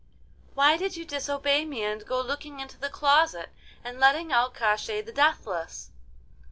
why did you disobey me and go looking into the closet and letting out Koshchei the Deathless?